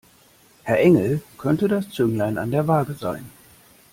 Herr Engel könnte das Zünglein an der Waage sein.